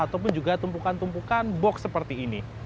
ataupun juga tumpukan tumpukan box seperti ini